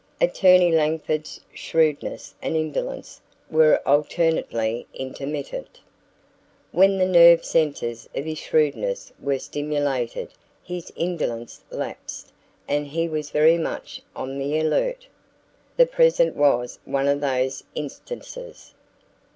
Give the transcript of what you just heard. Attorney Langford's shrewdness and indolence were alternately intermittent. When the nerve centers of his shrewdness were stimulated his indolence lapsed and he was very much on the alert. The present was one of those instances.